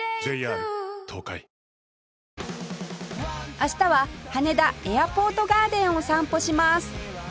明日は羽田エアポートガーデンを散歩します